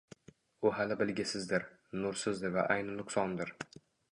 U hali bilgisizdir, nursizdir va ayni nuqsondir